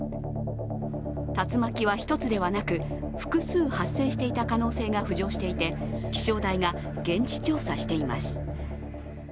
竜巻は１つではなく、複数発生していた可能性が浮上していて気象台が現地調査しています。